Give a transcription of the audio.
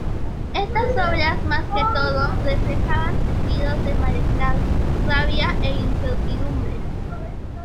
Estas obras más que todo reflejaban sentidos de malestar, rabia e incertidumbre.